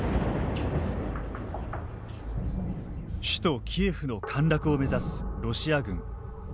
首都キエフの陥落を目指すロシア軍。